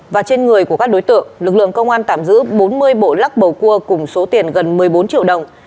và trên người của các đối tượng lực lượng công an tạm giữ bốn mươi bộ lắc bầu cua cùng số tiền gần một mươi bốn triệu đồng